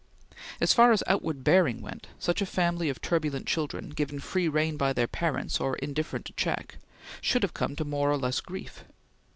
As far as outward bearing went, such a family of turbulent children, given free rein by their parents, or indifferent to check, should have come to more or less grief.